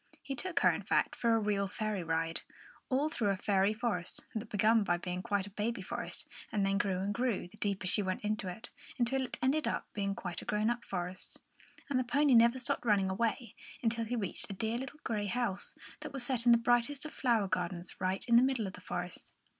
He took her, in fact, for a real fairy ride, all through a fairy forest, that began by being quite a baby forest and then grew and grew, the deeper she went into it, until it ended in being quite a grown up forest. And the pony never stopped running away until he reached a dear little grey house, that was set in the brightest of flower gardens, right in the middle of the forest.